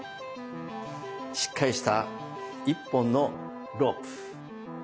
しっかりした１本のロープ。